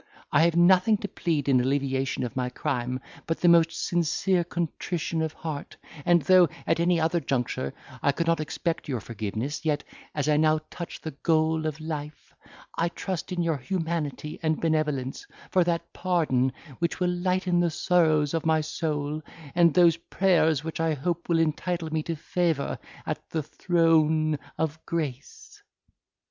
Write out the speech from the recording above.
I have nothing to plead in alleviation of my crime but the most sincere contrition of heart, and though, at any other juncture, I could not expect your forgiveness, yet, as I now touch the goal of life, I trust in your humanity and benevolence for that pardon which will lighten the sorrows of my soul, and those prayers which I hope will entitle me to favour at the throne of grace."